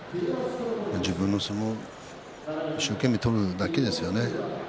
自分の相撲を一生懸命取るだけですよね。